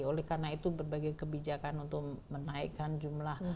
oleh karena itu berbagai kebijakan untuk menaikkan jumlah